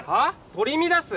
取り乱す